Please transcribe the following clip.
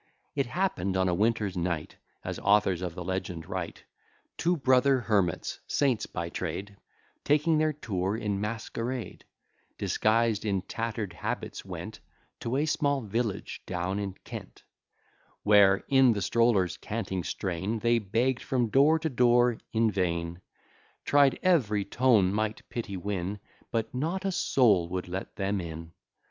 It happen'd on a winter night, As authors of the legend write, Two brother hermits, saints by trade, Taking their tour in masquerade, Disguis'd in tatter'd habits, went To a small village down in Kent; Where, in the strollers' canting strain, They begg'd from door to door in vain, Try'd ev'ry tone might pity win; But not a soul would let them in.